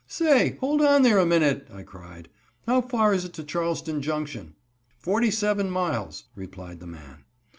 "Say, hold on there a minute!" I cried. "How far is it to Charleston Junction?" "Forty seven miles," replied the man.